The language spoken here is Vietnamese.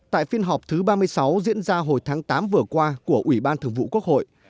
tại phiên họp thứ ba mươi sáu diễn ra hồi tháng tám vừa qua của ủy ban thường vụ quốc hội